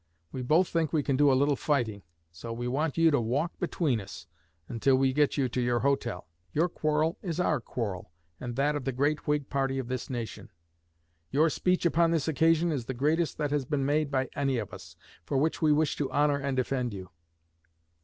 We both think we can do a little fighting, so we want you to walk between us until we get you to your hotel. Your quarrel is our quarrel and that of the great Whig party of this nation. Your speech upon this occasion is the greatest that has been made by any of us, for which we wish to honor and defend you.'